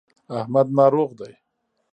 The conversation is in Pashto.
احمد ناروغ دی.